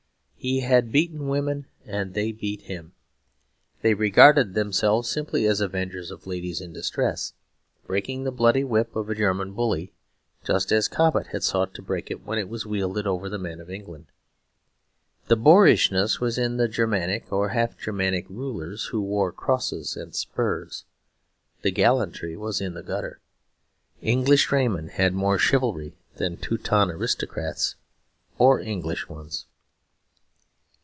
He had beaten women and they beat him. They regarded themselves simply as avengers of ladies in distress, breaking the bloody whip of a German bully; just as Cobbett had sought to break it when it was wielded over the men of England. The boorishness was in the Germanic or half Germanic rulers who wore crosses and spurs: the gallantry was in the gutter. English draymen had more chivalry than Teuton aristocrats or English ones.